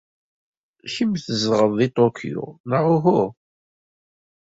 Kemm tzedɣed deg Tokyo, neɣ uhu?